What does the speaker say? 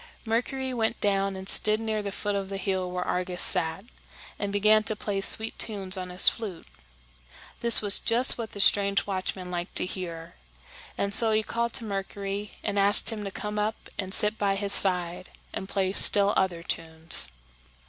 Mercury went down and stood near the foot of the hill where Argus sat, and began to play sweet tunes on his flute. This was just what the strange watchman liked to hear; and so he called to Mercury, and asked him to come up and sit by his side and play still other tunes.